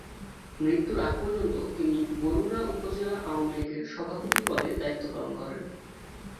মৃত্যুর আগ পর্যন্ত তিনি বরুড়া উপজেলা আওয়ামীলীগের সভাপতি পদে দায়িত্ব পালন করেন।